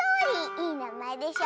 いいなまえでしょ。